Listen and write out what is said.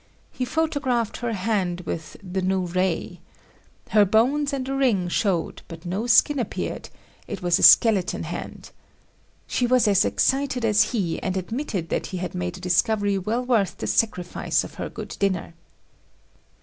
He photographed her hand with the "new ray." Her bones and a ring showed but no skin appeared it was a skeleton hand. She was as excited as he and admitted that he had made a discovery well worth the sacrifice of her good dinner!